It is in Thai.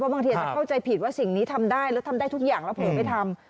บางทีอาจจะเข้าใจผิดว่าสิ่งนี้ทำได้แล้วทำได้ทุกอย่างแล้วเผลอไปทำ